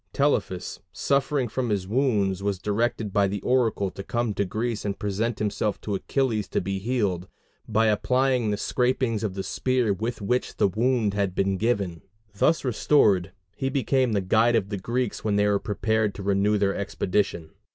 Telephus, suffering from his wounds, was directed by the oracle to come to Greece and present himself to Achilles to be healed, by applying the scrapings of the spear with which the wound had been given; thus restored, he became the guide of the Greeks when they were prepared to renew their expedition.